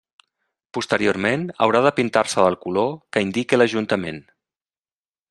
Posteriorment haurà de pintar-se del color que indique l'Ajuntament.